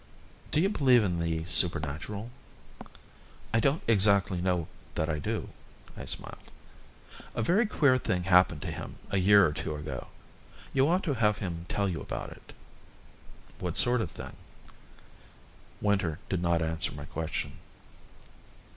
"Do you believe in the supernatural?" "I don't exactly know that I do," I smiled. "A very queer thing happened to him a year or two ago. You ought to have him tell you about it." "What sort of thing?" Winter did not answer my question.